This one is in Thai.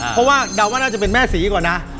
เพราะว่าเดาว่าน่าจะเป็นแม่ศรีก่อนนะ